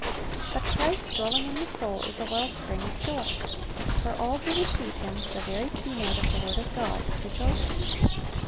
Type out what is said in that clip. But Christ dwelling in the soul is a wellspring of joy. For all who receive Him, the very keynote of the word of God is rejoicing.